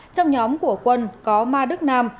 trong nhóm của quân có ma đức nam